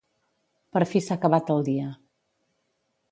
Per fi s'ha acabat el dia.